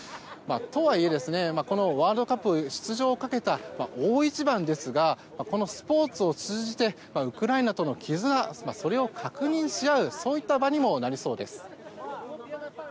とはいえこのワールドカップ出場をかけた大一番ですがこのスポーツを通じてウクライナとの絆それを確認し合うそういった場にもなりそうです。